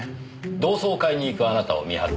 同窓会に行くあなたを見張ってほしい。